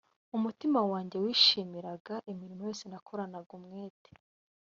umutima wanjye wishimiraga imirimo yose nakoranaga umwete